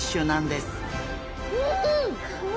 うん！